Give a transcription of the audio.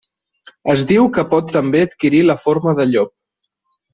Es diu que pot també adquirir la forma de llop.